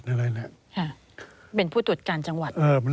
เป็นผู้ตรวจการจังหวัด